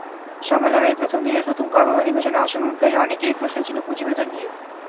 সম্মেলনের প্রথম দিনের প্রথম কর্ম অধিবেশনে অংশগ্রহণকারী অনেকেরই প্রশ্ন ছিল পুঁজিবাজার নিয়ে।